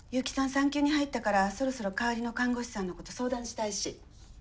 産休に入ったからそろそろ代わりの看護師さんのこと相談したいし。